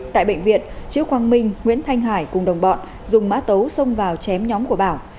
tại bệnh viện trước quang minh nguyễn thanh hải cùng đồng bọn dùng mã tấu xông vào chém nhóm của bảo